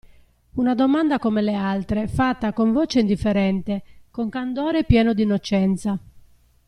Una domanda come le altre, fatta con voce indifferente, con candore pieno d'innocenza.